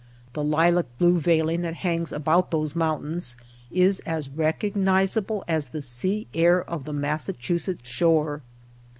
The lilac blue veiling that hangs about those mountains is as recognizable as the sea air of the Massachusetts shore.